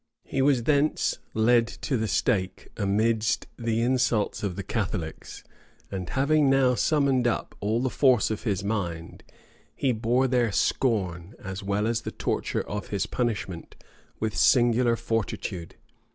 He was thence led to the stake amidst the insults of the Catholics; and having now summoned up all the force of his mind, he bore their scorn, as well as the torture of his punishment, with singular fortitude.